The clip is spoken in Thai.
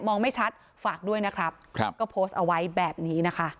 ไม่ชัดฝากด้วยนะครับครับก็โพสต์เอาไว้แบบนี้นะคะ